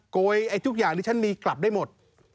โกยไอ้ทุกอย่างที่ฉันมีกลับได้หมด